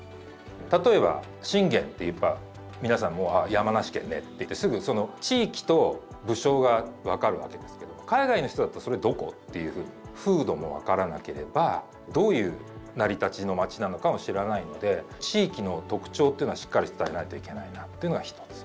例えば信玄っていえば皆さんもうあ山梨県ねって言ってすぐその地域と武将が分かるわけですけれども海外の人だったら「それどこ？」っていうふうに風土も分からなければどういう成り立ちの町なのかも知らないので地域の特徴というのはしっかり伝えないといけないなというのが一つ。